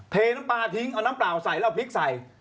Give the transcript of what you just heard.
เทน้ำปลาทิ้งเอาน้ำเปล่าใส่แล้วพริกใส่